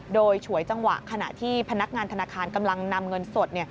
โดยฉวยจังหวะขณะที่พนักงานธนาคารกำลังนำเงินสด